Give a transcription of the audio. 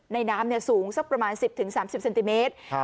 ในน้ำนี้สูงสักประมาณสิบถึงสามสิบเซนติเมตรครับ